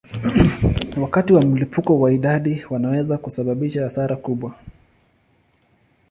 Wakati wa mlipuko wa idadi wanaweza kusababisha hasara kubwa.